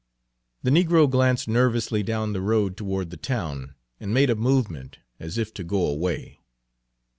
The negro glanced nervously down the road toward the town, and made a movement as if to go away.